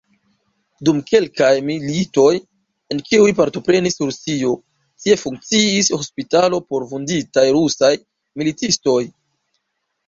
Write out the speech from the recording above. Dum kelkaj militoj, en kiuj partoprenis Rusio, tie funkciis hospitalo por vunditaj rusaj militistoj.